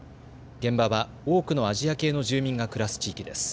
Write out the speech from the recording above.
現場は多くのアジア系の住民が暮らす地域です。